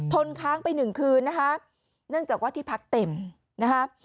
ค้างไปหนึ่งคืนนะคะเนื่องจากว่าที่พักเต็มนะคะ